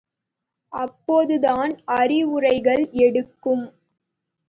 அப்போதுதான் அறிவுரைகள் எடுக்கும்.